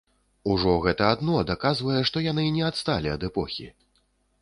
Ужо гэта адно даказвае, што яны не адсталі ад эпохі.